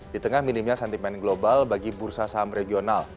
di tengah minimnya sentimen global bagi bursa saham regional